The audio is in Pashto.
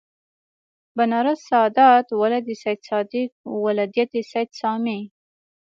بنارس سادات ولد سیدصادق ولدیت سید سامي